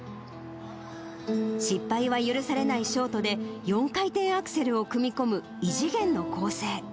失敗は許されないショートで、４回転アクセルを組み込む異次元の構成。